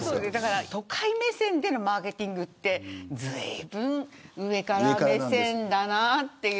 都会目線でのマーケティングってずいぶん上から目線だなって。